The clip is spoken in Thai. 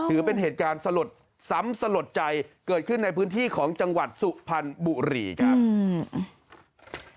ถือเป็นเหตุการณ์สลดซ้ำสลดใจเกิดขึ้นในพื้นที่ของจังหวัดสุพรรณบุรีครับอืม